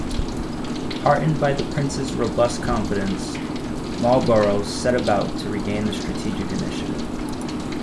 Heartened by the Prince's robust confidence, Marlborough set about to regain the strategic initiative.